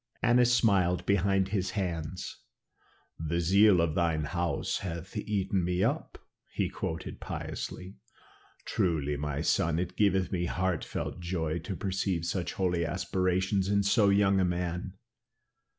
Annas smiled behind his hand. "The zeal of thine house hath eaten me up," he quoted piously. "Truly, my son, it giveth me heartfelt joy to perceive such holy aspirations in so young a man.